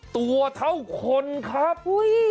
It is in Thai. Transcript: ตัวเท่าคนครับ